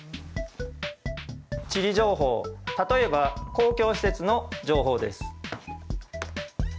地理情報例えば公共施設の情報です。